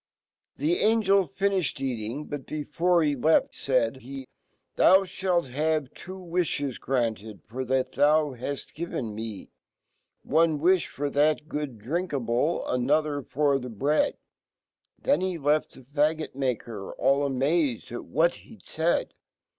The AngeLtfnifhed eating ; Sot Jbefcrehe left ,faid he , "Thou, fhalt have two v/ifhe> granted.'tor fhat fea haft given me. One wilhfof that gooddrinkabl ^another f^r the bread." Then he left fhefaggot maker all amazed atwhat he'dfaid.